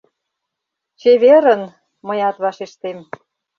— Чеверын! — мыят вашештем.